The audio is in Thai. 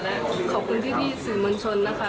และขอบคุณพี่สื่อมวลชนนะคะ